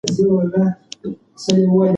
ذکر د غافلانو کار نه دی.